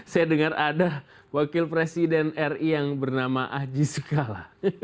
saya dengar ada wakil presiden ri yang bernama aji sukala